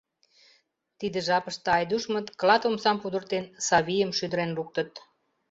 Тиде жапыште Айдушмыт, клат омсам пудыртен, Савийым шӱдырен луктыт.